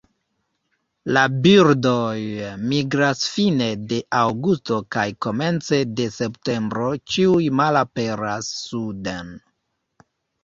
La birdoj migras fine de aŭgusto kaj komence de septembro ĉiuj malaperas suden.